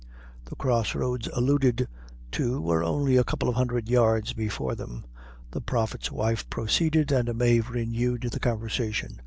The cross roads alluded to were only a couple of hundred yards before them. The prophet's wife proceeded, and Mave renewed the conversation.